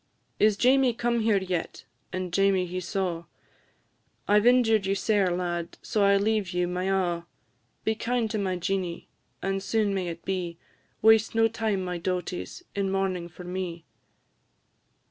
"Is Jamie come here yet?" and Jamie he saw; "I 've injured you sair, lad, so I leave you my a'; Be kind to my Jeanie, and soon may it be! Waste no time, my dauties, in mournin' for me."